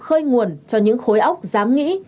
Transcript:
khơi nguồn cho những khối óc dám nghĩ